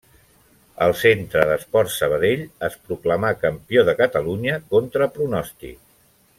El Centre d'Esports Sabadell es proclamà campió de Catalunya contra pronòstic.